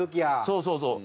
そうそうそう。